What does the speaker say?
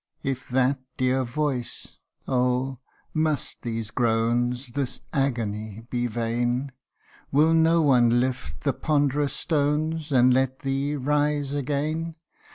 If that dear voice oh ! must these groans, This agony be vain ? Will no one lift the ponderous stones, And let thee rise again